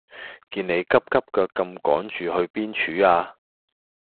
見你急急腳咁趕住去邊處呀